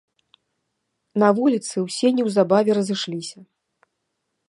На вуліцы ўсе неўзабаве разышліся.